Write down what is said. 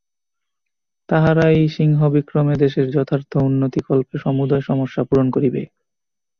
তাহারাই সিংহবিক্রমে দেশের যথার্থ উন্নতিকল্পে সমুদয় সমস্যা পূরণ করিবে।